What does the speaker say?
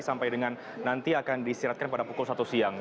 sampai dengan nanti akan disiratkan pada pukul satu siang